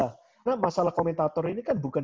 karena masalah komentator ini kan bukan